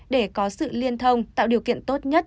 để có sự liên thông tạo điều kiện tốt nhất